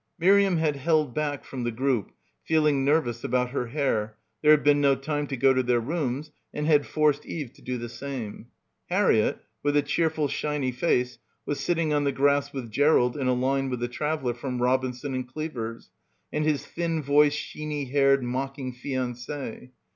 Miriam had held back from the group, feeling nervous about her hair, there had been no time to go to their rooms, and had forced Eve to do the same. Harriett, with a cheerful shiny face, was sitting on the grass with Gerald in a line with the traveller from Robinson and Cleaver's, and his thin voiced sheeny haired mocking fiancee.